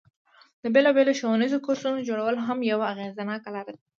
د بیلابیلو ښوونیزو کورسونو جوړول هم یوه اغیزناکه لاره ده.